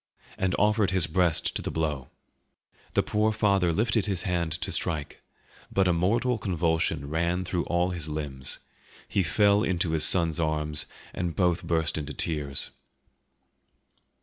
and offered his breast to the blow. The poor father lifted his hand to strike; but a mortal convulsion ran through all his limbs; he fell into his son's arms, and both burst into tears.